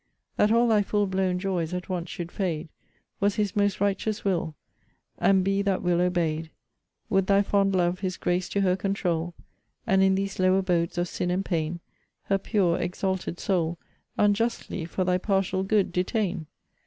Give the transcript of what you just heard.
That all thy full blown joys at once should fade, Was his most righteous will: and be that will obey'd. Would thy fond love his grace to her controul, And in these low abodes of sin and pain Her pure, exalted soul, Unjustly, for thy partial good detain?